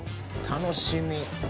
楽しみ。